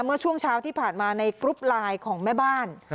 เมื่อช่วงเช้าที่ผ่านมาในกรุ๊ปไลน์ของแม่บ้าน